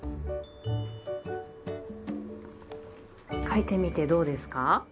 書いてみてどうですか？